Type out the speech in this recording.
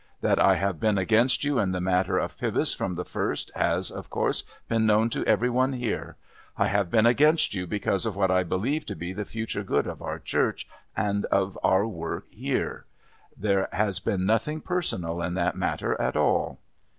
That I have been against you in the matter of Pybus from the first has, of course, been known to every one here. I have been against you because of what I believe to be the future good of our Church and of our work here. There has been nothing personal in that matter at all."